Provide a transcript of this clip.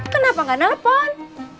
kenapa gak nelfon